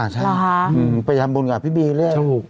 ใช่ไปทำบุญกับพี่บีเลย